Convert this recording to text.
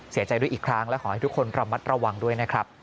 เสียใจด้วยอีกครั้งและขอให้ทุกคนระมัดระวังด้วยนะครับ